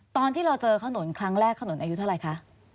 ตอนที่เราเจอเขานนท์ครั้งแรกเขานนท์อายุเท่าไรคะ